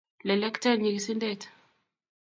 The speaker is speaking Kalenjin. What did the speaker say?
Lekleten nyigisindet